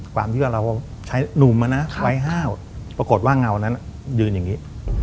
ความที่ว่าเราใช้หนุ่มไว้ห้าวปรากฏว่าเงานั้นยืนอย่างนี้